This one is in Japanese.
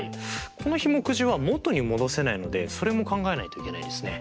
このひもくじは元に戻せないのでそれも考えないといけないですね。